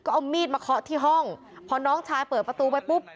เอามีดมาเคาะที่ห้องพอน้องชายเปิดประตูไปปุ๊บ